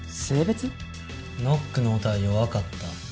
ノックの音は弱かった。